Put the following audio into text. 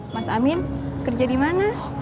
mas amin kerja dimana